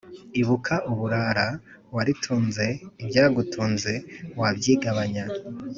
Ibuka uburara waritunze Ibyagutunze babyigabanya